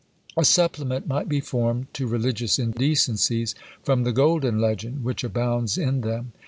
A supplement might be formed to religious indecencies from the Golden Legend, which abounds in them.